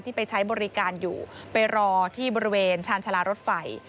ไปใช้บริการอยู่ไปรอที่บริเวณชาญชาลารถไฟ